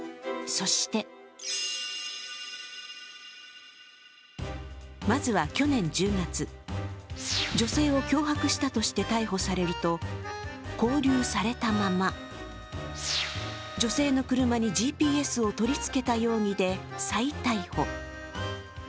そしてまずは去年１０月、女性を脅迫したとして逮捕されると勾留されたまま、女性の車にＧＰＳを取り付けた容疑で再逮捕。